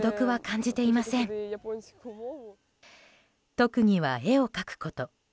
特技は絵を描くこと。